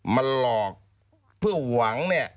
มันหลอกเพื่อหวังเนี่ย